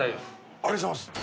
ありがとうございます。